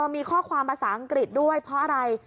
มีข้อความภาษาอังกฤษด้วยเพราะอะไร